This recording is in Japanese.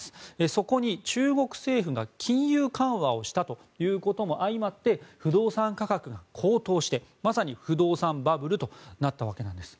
そこに中国政府が金融緩和をしたということも相まって不動産価格が高騰してまさに不動産バブルとなったわけなんです。